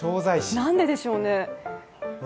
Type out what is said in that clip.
なんででしょうね。